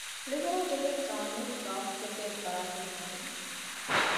ކުޅިވަރާބެހޭ ޤާނޫނު ޑްރާފްޓްކޮށްދޭނެ ފަރާތެއް ހޯދުމަށް